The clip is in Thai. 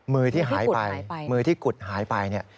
มือที่หายไปมือที่กุดหายไปเนี่ย